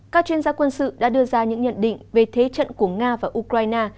các chuyên gia quân sự đã đưa ra những nhận định về thế trận của nga và ukraine